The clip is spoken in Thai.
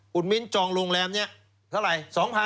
คุณบิ๊กจองโรงแรมนี้เท่าไร๒๐๐๐